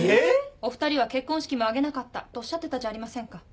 お二人は結婚式も挙げなかったとおっしゃってたじゃありませんか。